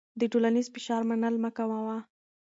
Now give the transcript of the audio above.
د ټولنیز فشار منل مه کوه.